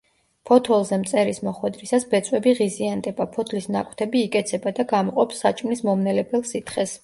ფოთოლზე მწერის მოხვედრისას ბეწვები ღიზიანდება, ფოთლის ნაკვთები იკეცება და გამოყოფს საჭმლის მომნელებელ სითხეს.